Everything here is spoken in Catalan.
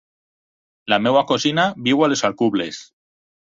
La meva cosina viu a les Alcubles.